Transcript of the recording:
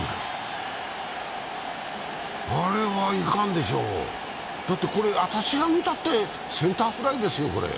あれはいかんでしょ、これ私が見たってセンターフライですよ。